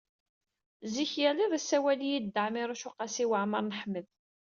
Zik, yal iḍ yessawal-iyi-d Dda Ɛmiiruc u Qasi Waɛmer n Ḥmed.